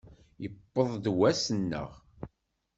Yewweḍ-d wass-nneɣ!